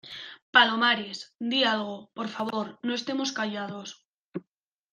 palomares, di algo. por favor , no estemos callados .